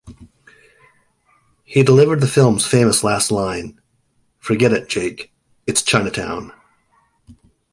He delivered the film's famous last line, Forget it, Jake, it's Chinatown.